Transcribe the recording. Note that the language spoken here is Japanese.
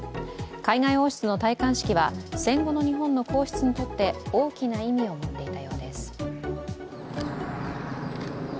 海外王室の戴冠式は戦後の日本の皇室にとって大きな意味を持っていたようです。